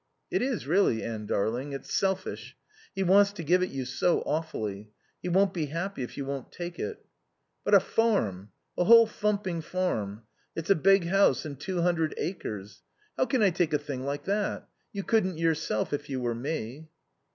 "It is really, Anne darling. It's selfish. He wants to give it you so awfully. He won't be happy if you won't take it." "But a farm, a whole thumping farm. It's a big house and two hundred acres. How can I take a thing like that? You couldn't yourself if you were me."